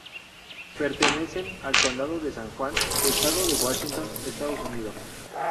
Pertenecen al condado de San Juan, Estado de Washington, Estados Unidos.